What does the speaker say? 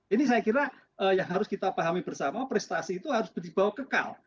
ini saya kira yang harus kita pahami bersama prestasi itu harus dibawa ke kal